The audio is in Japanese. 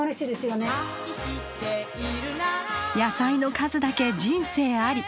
野菜の数だけ人生あり。